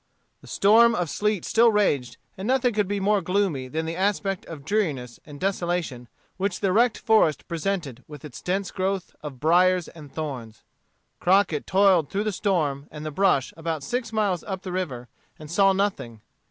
The storm of sleet still raged, and nothing could be more gloomy than the aspect of dreariness and desolation which the wrecked forest presented with its dense growth of briers and thorns. Crockett toiled through the storm and the brush about six miles up the river, and saw nothing.